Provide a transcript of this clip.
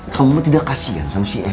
kamu tidak kasihan sama si iek